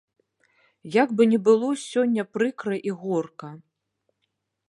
Як бы ні было сёння прыкра і горка.